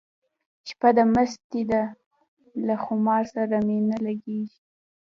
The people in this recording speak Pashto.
شپه د مستۍ ده له خمار سره مي نه لګیږي